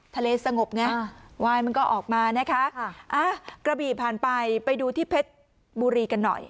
สงบไงวายมันก็ออกมานะคะกระบี่ผ่านไปไปดูที่เพชรบุรีกันหน่อย